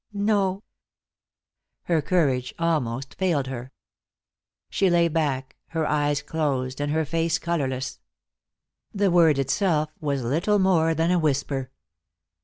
"No." Her courage almost failed her. She lay back, her eyes closed and her face colorless. The word itself was little more than a whisper.